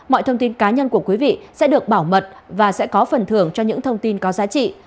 mọi thông tin cá nhân của quý vị sẽ được bảo mật và sẽ có phần thưởng cho những thông tin có giá trị